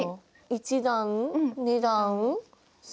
１段２段３段。